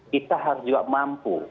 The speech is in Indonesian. kita harus juga mampu